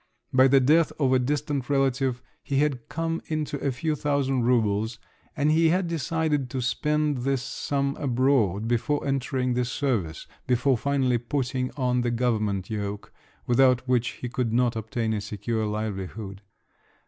By the death of a distant relative, he had come into a few thousand roubles, and he had decided to spend this sum abroad before entering the service, before finally putting on the government yoke, without which he could not obtain a secure livelihood.